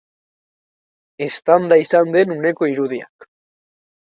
Eztanda izan den uneko irudiak.